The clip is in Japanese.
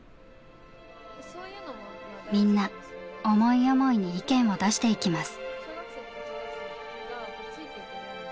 みんな思い思いに意見を出していきます。